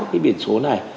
cái biển số này